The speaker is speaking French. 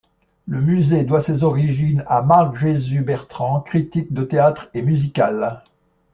Le musée doit ses origines à Marc Jesús Bertran, critique de théâtre et musical.